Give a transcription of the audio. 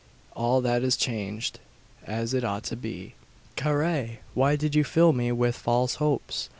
All that is changed, as it ought to be." "Carrai! Why did you fill me with false hopes?